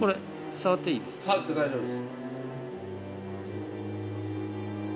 触って大丈夫です。